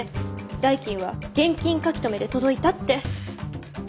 代金は現金書留で届いたって。